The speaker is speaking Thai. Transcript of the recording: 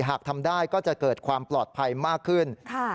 หากทำได้ก็จะเกิดความปลอดภัยมากขึ้น